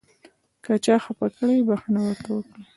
که چا خفه کړئ بښنه ورته وکړئ .